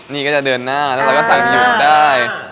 นี่ก็จะเดินหน้าแล้วเราก็สั่งหยุดได้